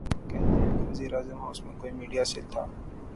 کہتے ہیں کہ وزیراعظم ہاؤس میں کوئی میڈیا سیل تھا۔